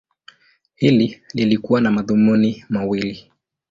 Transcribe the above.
Hili lilikuwa na madhumuni mawili.